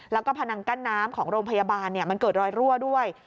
แล้วก็พนังกั้นน้ำของโรงพยาบาลมันเกิดรอยรั่วด้วย